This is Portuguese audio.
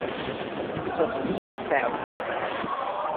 Sophia e Théo